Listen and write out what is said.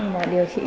mà điều trị